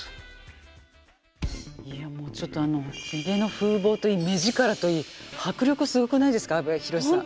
いやもうちょっとあのひげの風貌といい目力といい迫力すごくないですか阿部寛さん。